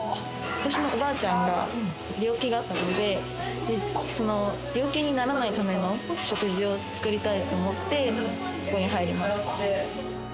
私のおばあちゃんが、病気だったので、その病気にならないための食事を作りたいと思って、ここに入りました。